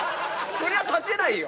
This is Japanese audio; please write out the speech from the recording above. そりゃ立てないよ。